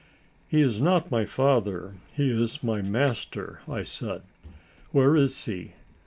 "He is not my father; he is my master," I said; "where is he?